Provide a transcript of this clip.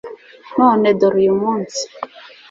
none, dore uyu munsi